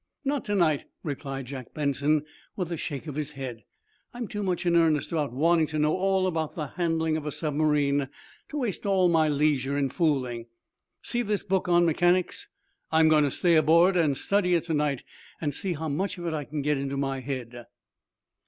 "Not to night," replied Jack Benson, with a shake of his head. "I'm too much in earnest about wanting to know all about the handling of a submarine to waste all my leisure in fooling. See this book on mechanics? I'm going to stay aboard and study it to night, and see how much of it I can get into my head."